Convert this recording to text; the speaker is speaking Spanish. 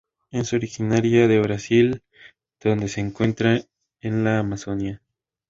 Es originaria de Brasil donde se encuentra en la Amazonia.